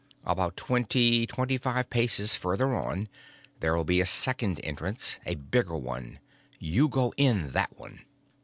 About twenty, twenty five paces further on, there'll be a second entrance, a bigger one. You go in that one."